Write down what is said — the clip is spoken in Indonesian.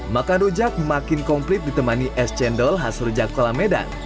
makan rujak makin komplit ditemani es cendol khas rujak kolamedan